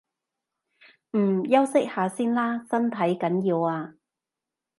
嗯，休息下先啦，身體緊要啊